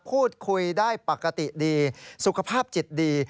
พูดคุยได้ปกติดีสุขภาพจิตดี